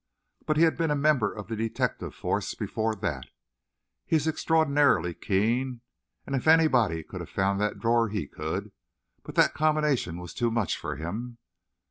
But he had been a member of the detective force before that. He is extraordinarily keen, and if anybody could have found that drawer, he could. But that combination was too much for him."